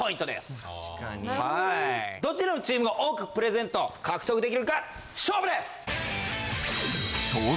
どちらのチームが多くプレゼントを獲得できるか勝負です！